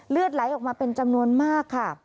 เลือดไหลออกมาเป็นจำนวนมากค่ะ